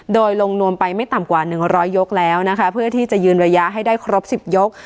โดยลงนวมไปไม่ต่ำกว่า๑๐๐ยกแล้วนะคะเพื่อที่จะยืนระยะให้ได้ครบ๑๐ยก